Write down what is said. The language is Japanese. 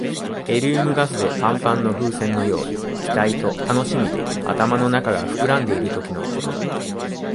ヘリウムガスでパンパンの風船のように、期待と楽しみで頭の中が膨らんでいるときのことだった。